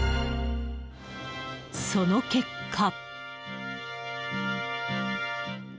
その結果。